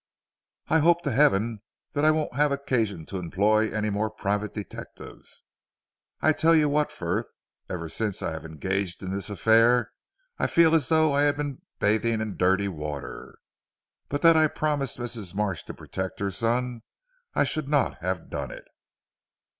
"I hope to heaven that I won't have occasion to employ any more private detectives. I tell you what Frith, ever since I have engaged in this affair I feel as though I had been bathing in dirty water. But that I promised Mrs. Marsh to protect her son, I should not have done it."